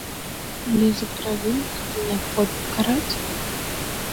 Але за правіннасці неабходна караць!